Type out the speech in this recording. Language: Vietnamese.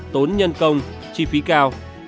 tốn nhân công chi phí cao